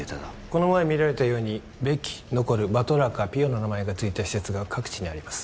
この前見られたようにベキノコルバトラカピヨの名前がついた施設が各地にあります